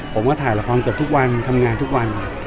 ผมก็ถ่ายละครเกือบทุกวันทำงานทุกวัน